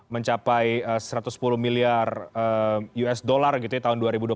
mencapai satu ratus sepuluh miliar usd gitu ya tahun dua ribu dua puluh satu